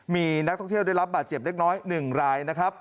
มีนักท่องเที่ยวได้รับบาดเจ็บเล็กน้อย๑รายนะครับ